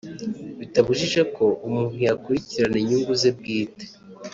bitabujije ko umuntu yakurikirana inyungu ze bwite